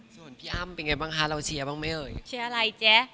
ส่วนพี่อ้ำเป็นไงบ้างคะเราเชียร์บ้างไหมเอ่ยเชียร์อะไรแจ๊ะ